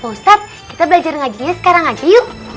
ustadz kita belajar ngajinya sekarang aja yuk